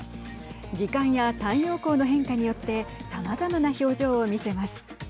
時間や太陽光の変化によってさまざまな表情を見せます。